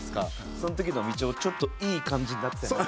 その時のみちおちょっといい感じになってた。